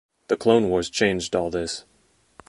The Clone Wars changed all this.